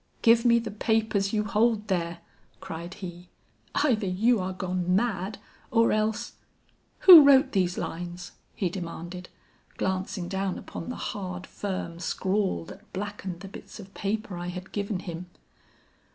"'Give me the papers you hold there,' cried he. 'Either you are gone mad, or else Who wrote these lines?' he demanded, glancing down upon the hard, firm scrawl that blackened the bits of paper I had given him.